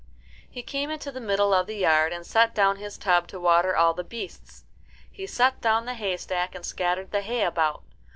He came into the middle of the yard, and set down his tub to water all the beasts. He set down the haystack and scattered the hay about.